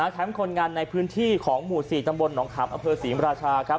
คนงานในพื้นที่ของหมู่๔ตำบลหนองขามอำเภอศรีมราชา